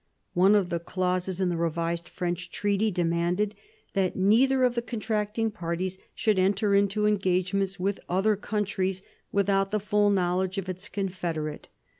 One of the clauses in the revised French treaty demanded that neither of the contracting parties should enter into engagements with other countries without the full knowledge of its confederate.